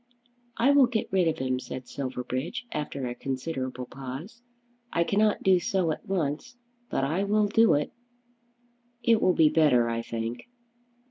"I will get rid of him," said Silverbridge, after a considerable pause. "I cannot do so at once, but I will do it." "It will be better, I think."